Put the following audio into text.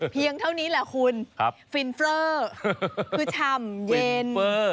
เพียงเท่านี้แหลกคุณครับฟิล์นฟเลอคือชำเย็น